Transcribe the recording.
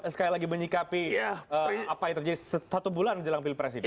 sekali lagi menyikapi apa yang terjadi satu bulan jelang pilpres ini